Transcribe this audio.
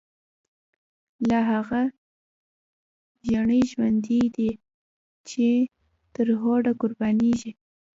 لاهغه ژڼی ژوندی دی، چی ترهوډه قربانیږی